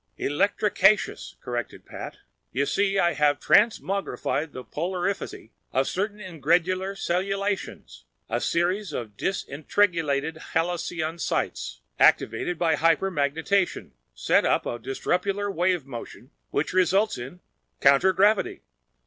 "Electricaceous," corrected Pat. "You see, I have transmogrified the polarifity of certain ingredular cellulations. A series of disentrigulated helicosities, activated by hypermagnetation, set up a disruptular wave motion which results in—counter gravity!"